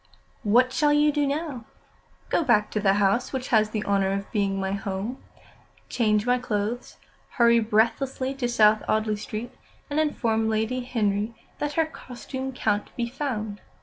"What shall you do now?" "Go back to the house which has the honour of being my home, change my clothes, hurry breathlessly to South Audley Street, and inform Lady Henry that her costume can't be found.